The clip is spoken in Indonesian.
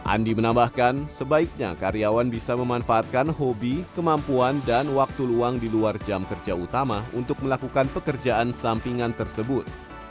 andi menambahkan sebaiknya karyawan bisa memanfaatkan hobi kemampuan dan waktu luang di luar jam kerja utama untuk melakukan pekerjaan sampingan tersebut